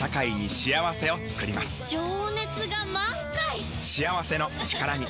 情熱が満開！